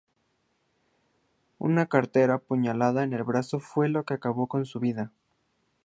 Una certera puñalada en el bazo fue la que acabó con su vida.